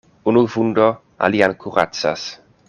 Unu vundo alian kuracas.